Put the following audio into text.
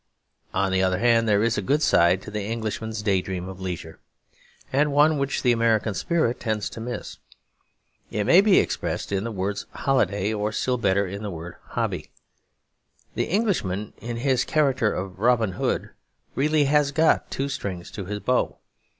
On the other hand, there is a good side to the Englishman's day dream of leisure, and one which the American spirit tends to miss. It may be expressed in the word 'holiday' or still better in the word 'hobby.' The Englishman, in his character of Robin Hood, really has got two strings to his bow.